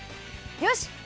よし！